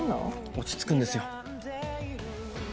落ち着くんですよ。